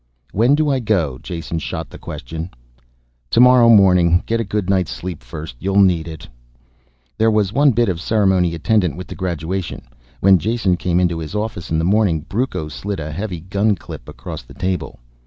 "When do I go?" Jason shot the question. "Tomorrow morning. Get a good night's sleep first. You'll need it." There was one bit of ceremony attendant with the graduation. When Jason came into his office in the morning, Brucco slid a heavy gun clip across the table.